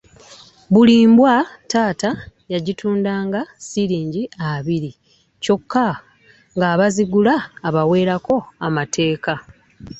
Buli mbwa taata yagitundanga siringi abiri kyokka ng’abazigula abaweerako amateeka.